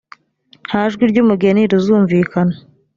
nta jwi ry umugeni rizumvikana